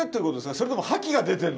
それとも覇気が出てるのか。